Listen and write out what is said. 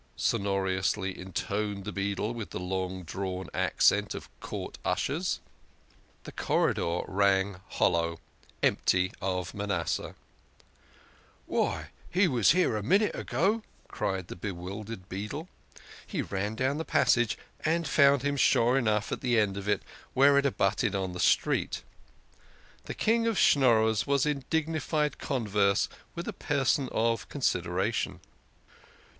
" sonorously intoned the beadle with the long drawn accent of court ushers. The corridor rang hollow, empty of Manasseh. " Why, he was here a moment ago," cried the bewildered beadle. He ran down the passage, and found him sure enough at the end of it where it abutted on the street. The King of Schnorrers was in dignified converse with a person of consideration.